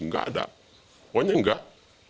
enggak ada pokoknya enggak